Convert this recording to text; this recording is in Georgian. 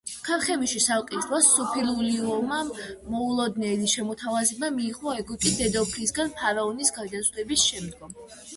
ქარხემიშის ალყის დროს სუფილულიუმამ მოულოდნელი შემოთავაზება მიიღო ეგვიპტის დედოფლისგან ფარაონის გარდაცვალების შემდგომ.